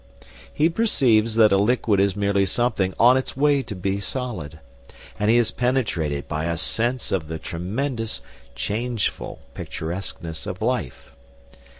He perceives that a liquid is merely something on its way to be solid, and he is penetrated by a sense of the tremendous, changeful picturesqueness of life.